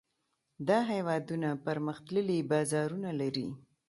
دا هېوادونه پرمختللي بازارونه لري.